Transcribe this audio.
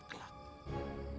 aku akan datang membalasmu